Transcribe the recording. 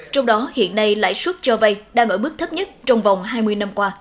trong đó hiện nay lãi suất cho vay đang ở mức thấp nhất trong vòng hai mươi năm qua